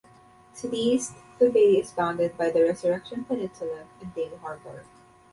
To the east, the bay is bounded by the Resurrection Peninsula and Day Harbor.